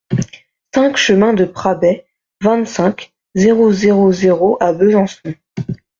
cinq chemin de Prabey, vingt-cinq, zéro zéro zéro à Besançon